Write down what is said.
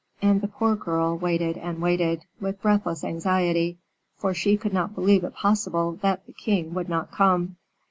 And the poor girl waited and waited, with breathless anxiety for she could not believe it possible that the king would not come.